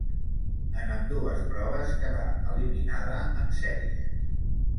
En ambdues proves quedà eliminada en sèries.